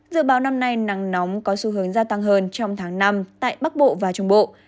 dự báo năm nay nắng nóng có xu hướng gia tăng hơn trong tháng năm tại bắc bộ và trung bộ